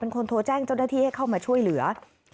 คนโทรแจ้งเจ้าหน้าที่ให้เข้ามาช่วยเหลือ